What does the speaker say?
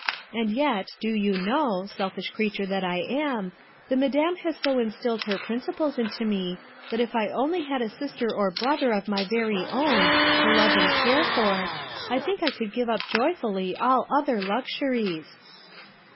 And yet, do you know, selfish creature that I am, the Madame has so instilled her principles into me that if I only had a sister or brother of my very own to love and care for, I think I could give up joyfully all other luxuries."